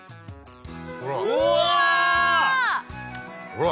ほら。